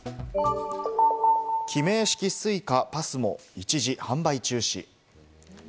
記名式Ｓｕｉｃａ、ＰＡＳＭＯ、一時販売中止。